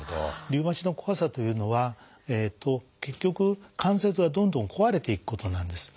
リウマチの怖さというのは結局関節がどんどん壊れていくことなんです。